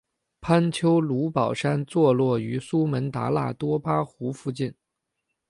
潘丘卢保山坐落于苏门答腊多巴湖附近。